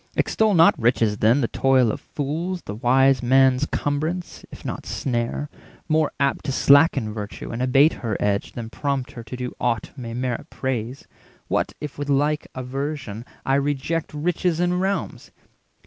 Extol not riches, then, the toil of fools, The wise man's cumbrance, if not snare; more apt To slacken virtue and abate her edge Than prompt her to do aught may merit praise. What if with like aversion I reject Riches and realms!